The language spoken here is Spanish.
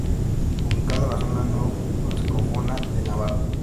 Ubicado en la Zona no vascófona de Navarra.